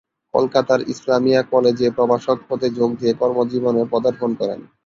কলকাতার ইসলামিয়া কলেজে প্রভাষক পদে যোগ দিয়ে কর্মজীবনে পদার্পণ করেন।